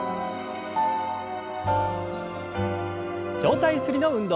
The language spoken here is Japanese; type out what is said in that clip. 上体ゆすりの運動。